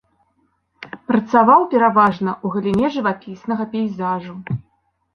Працаваў пераважна ў галіне жывапіснага пейзажу.